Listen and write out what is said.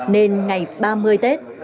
nên ngày ba mươi tết